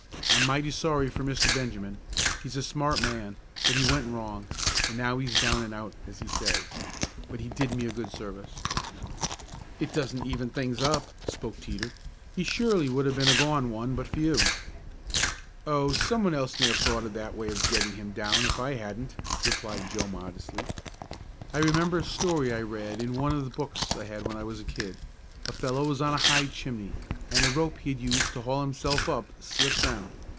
I'm mighty sorry for Mr. Benjamin. He's a smart man, but he went wrong, and now he's down and out, as he says. But he did me a good service." "It doesn't even things up!" spoke Teeter. "He surely would have been a gone one but for you." "Oh, some one else might have thought of that way of getting him down if I hadn't," replied Joe modestly. "I remember a story I read in one of the books I had when I was a kid. A fellow was on a high chimney, and a rope he had used to haul himself up slipped down.